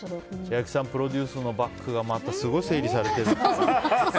千秋さんプロデュースのバッグがまたすごい整理されてる！